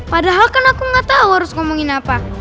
padahal kan aku gak tau harus ngomongin apa